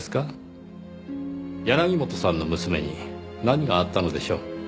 柳本さんの娘に何があったのでしょう？